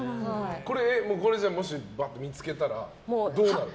これ、もし見つけたらどうなるの？